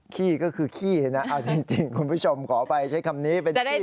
ขี้ก็คือขี้นะเอาจริงคุณผู้ชมขออภัยใช้คำนี้เป็นขี้